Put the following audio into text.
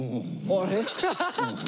あれ？